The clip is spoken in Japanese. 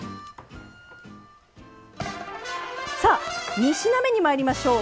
さあ３品目にまいりましょう。